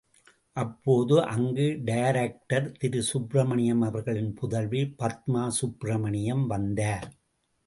அப்போது அங்கு டைரக்டர் திரு சுப்ரமணியம் அவர்களின் புதல்வி பத்மா சுப்ரமணியம் வந்தார்.